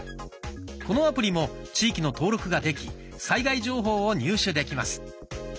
このアプリも地域の登録ができ災害情報を入手できます。